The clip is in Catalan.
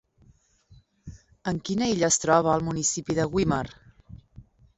En quina illa es troba el municipi de Güímar?